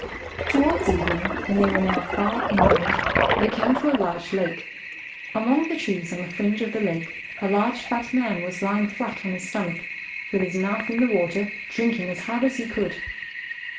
Towards evening when they were now far inland, they came to a large lake. Among the trees on the fringe of the lake a large fat man was lying flat on his stomach with his mouth in the water drinking as hard as he could.